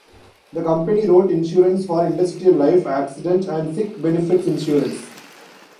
The company wrote insurance for industrial life, accident and sick benefits insurance.